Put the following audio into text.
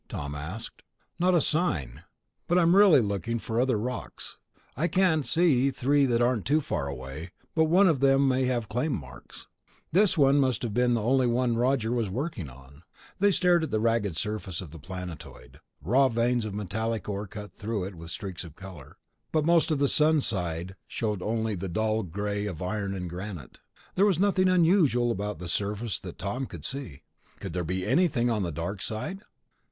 Tom asked. "Not a sign ... but I'm really looking for other rocks. I can see three that aren't too far away, but none of them have claim marks. This one must have been the only one Roger was working." They stared at the ragged surface of the planetoid. Raw veins of metallic ore cut through it with streaks of color, but most of the sun side showed only the dull gray of iron and granite. There was nothing unusual about the surface that Tom could see. "Could there be anything on the dark side?"